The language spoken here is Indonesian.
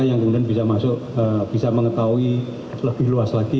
yang kemudian bisa mengetahui lebih luas lagi